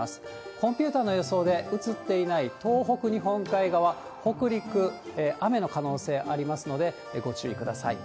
コンピューターの予想で映っていない東北、日本海側、北陸、雨の可能性ありますのでご注意ください。